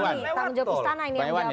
tanggung jawab ustana ini yang jawab ini